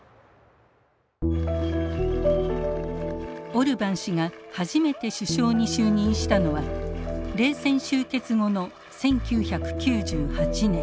オルバン氏が初めて首相に就任したのは冷戦終結後の１９９８年。